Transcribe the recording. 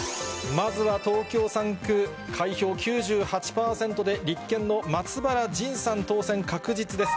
まずは、東京３区、開票９８％で立憲の松原仁さん当選確実です。